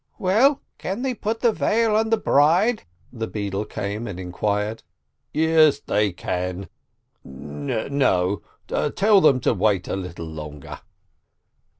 86 SPEKTOK "Well, can they put the veil on the bride ?" the beadle came and inquired. "Yes, they can. .. No, tell them to wait a little longer